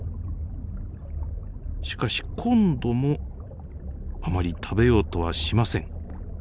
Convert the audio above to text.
しかし今度もあまり食べようとはしません。